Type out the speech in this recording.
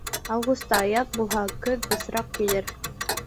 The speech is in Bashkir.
Августа аяҙ булһа, көҙ бысраҡ килер.